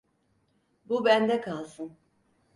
Bu bende kalsın.